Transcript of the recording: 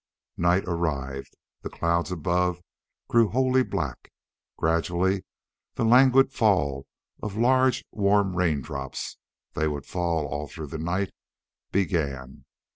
Night arrived. The clouds above grew wholly black. Gradually the languid fall of large, warm raindrops they would fall all through the night began.